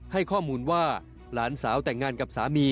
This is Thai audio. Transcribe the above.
ให้ข้อมูลว่าหลานสาวแต่งงานกับสามี